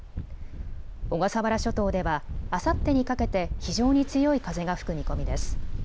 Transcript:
小笠原諸島ではあさってにかけて非常に強い風が吹く見込みです。